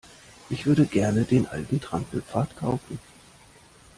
Ich würde gerne den alten Trampelpfad kaufen.